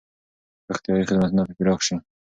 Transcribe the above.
روغتیايي خدمتونه به پراخ شي.